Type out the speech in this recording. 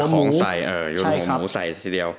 โยนปลาของใสโยนหัวหมูใสทีเดียว